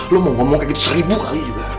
lo mau ngomong kayak gitu seribu kali juga